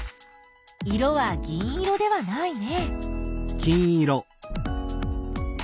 色は銀色ではないね。